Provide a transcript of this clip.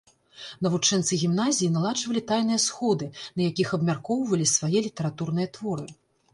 Навучэнцы гімназіі наладжвалі тайныя сходы, на якіх абмяркоўвалі свае літаратурныя творы.